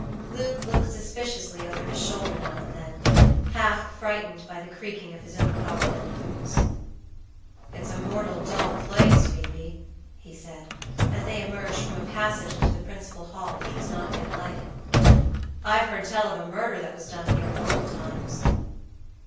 Luke looked suspiciously over his shoulder now and then, half frightened by the creaking of his own hob nailed boots. "It's a mortal dull place, Phoebe," he said, as they emerged from a passage into the principal hall, which was not yet lighted; "I've heard tell of a murder that was done here in old times."